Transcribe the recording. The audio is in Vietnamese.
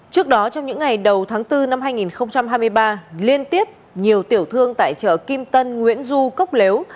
trước đó trong những ngày đầu tháng bốn năm hai nghìn hai mươi ba liên tiếp nhiều tiểu thương tại chợ kim tân nguyễn du cốc lếu